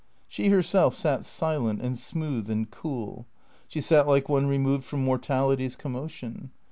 She herself sat silent and smooth and cool. She sat like one removed from mortality's commotion.